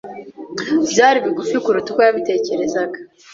Byari bigufi kuruta uko yabitekerezaga.